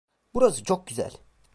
Burası çok güzel.